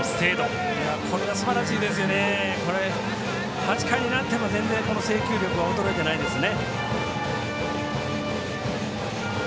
８回になっても全然制球力が衰えてないですね。